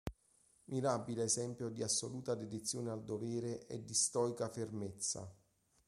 Mirabile esempio di assoluta dedizione al dovere e di stoica fermezza”".